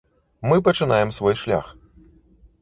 Мы пачынаем свой шлях.